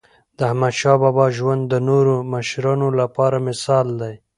داحمدشاه بابا ژوند د نورو مشرانو لپاره مثال دی.